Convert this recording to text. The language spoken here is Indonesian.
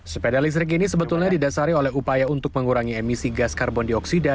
sepeda listrik ini sebetulnya didasari oleh upaya untuk mengurangi emisi gas karbon dioksida